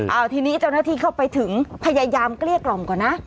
เอาทีนี้เจ้าหน้าที่เข้าไปถึงพยายามเกลี้ยกล่อมก่อนนะ